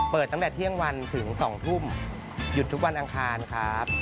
ตั้งแต่เที่ยงวันถึง๒ทุ่มหยุดทุกวันอังคารครับ